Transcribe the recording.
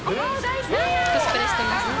コスプレしてますね。